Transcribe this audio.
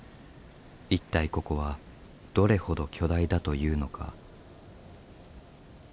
一体ここはどれほど巨大だというのか。